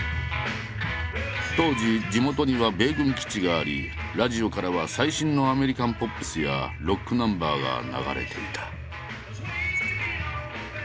当時地元には米軍基地がありラジオからは最新のアメリカンポップスやロックナンバーが流れていた。